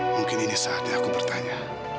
mungkin ini saatnya aku bertanya